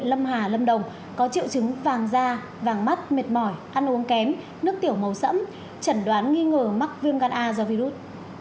nước tiểu màu sẫm trần đoán nghi ngờ mắc viêm gan a do virus